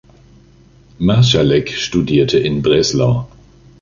Marszalek studierte in Breslau.